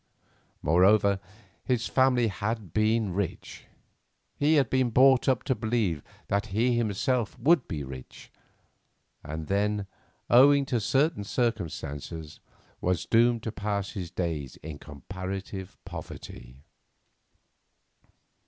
Moreover, his family had been rich; he had been brought up to believe that he himself would be rich, and then, owing to certain circumstances, was doomed to pass his days in comparative poverty.